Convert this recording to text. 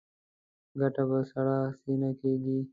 ګټه په سړه سینه کېږي.